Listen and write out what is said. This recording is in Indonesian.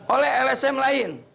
oleh lsm lain